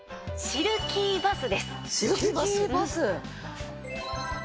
シルキーバス？